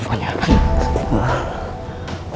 untung masih ada